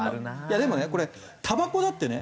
でもねこれたばこだってね